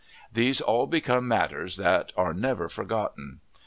These all become matters that are never forgotten.